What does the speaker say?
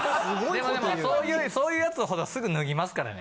でもそういうヤツほどすぐ脱ぎますからね。